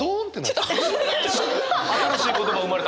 新しい言葉生まれた！